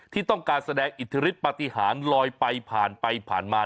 ที่ต้องการแสดงอิทธิฤทธปฏิหารลอยไปผ่านไปผ่านมา